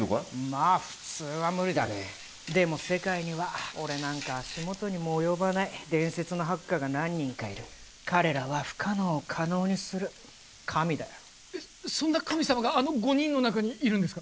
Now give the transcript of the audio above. まあ普通は無理だねでも世界には俺なんか足元にも及ばない伝説のハッカーが何人かいる彼らは不可能を可能にする神だよそんな神様があの５人の中にいるんですか？